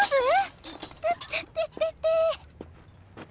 いててててて。